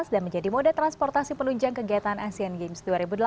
dan menjadi mode transportasi penunjang kegiatan asian games dua ribu delapan belas